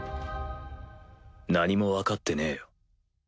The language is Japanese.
何もわかってねえよ。